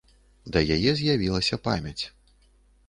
Да яе з'явілася памяць.